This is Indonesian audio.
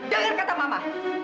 jangan kata mama